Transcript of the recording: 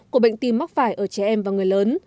của bệnh tim mắc phải ở trẻ em và người lớn